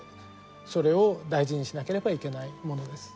それを大事にしなければいけないものです。